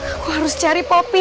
aku harus cari poppy